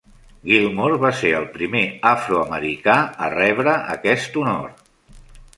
Gilmore va ser el primer afroamericà a rebre aquest honor.